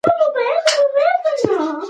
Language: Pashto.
لښتې په نغري کې د اور ژوندي سکروټي وپلټل.